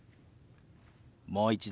もう一度。